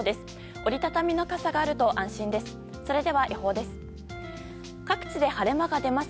折り畳みの傘があると安心です。